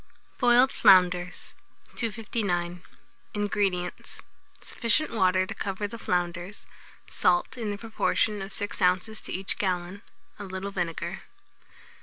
BOILED FLOUNDERS. 259. INGREDIENTS. Sufficient water to cover the flounders, salt in the proportion of 6 oz. to each gallon, a little vinegar.